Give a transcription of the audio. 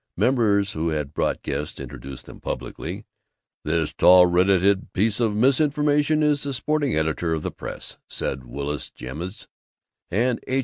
Members who had brought guests introduced them publicly. "This tall red headed piece of misinformation is the sporting editor of the Press," said Willis Ijams; and H.